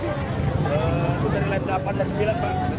delapan dan sembilan pak